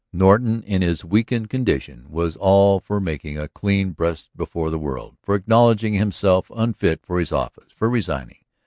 Norton in his weakened condition was all for making a clean breast before the world, for acknowledging himself unfit for his office, for resigning.